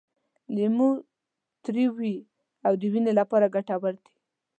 لیمو تریو وي او د وینې لپاره ګټور دی.